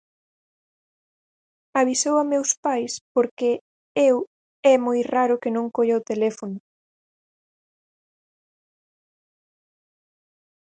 Avisou a meus pais porque eu é moi raro que non colla o teléfono.